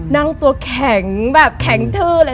นั่งตัวแข็งแบบแข็งทื้อเลย